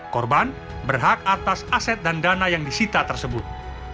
korban berhak atas aset dan dana yang disita tersebut